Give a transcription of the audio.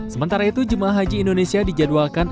sementara itu jemaah haji indonesia dijadwalkan